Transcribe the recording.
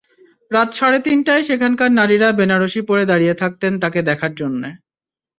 রাত সাড়ে তিনটায় সেখানকার নারীরা বেনারসি পরে দাঁড়িয়ে থাকতেন তাঁকে দেখার জন্য।